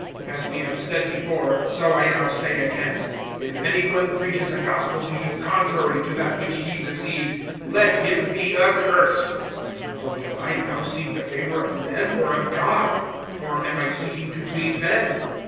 (9)As we have said before, so I now say again, if any one preaches a gospel to you contrary to that which ye received, let him be accursed. (10)For do I now seek the favor of men or of God? Or am I seeking to please men?